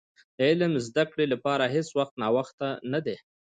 د علم زدي کړي لپاره هيڅ وخت ناوخته نه دي .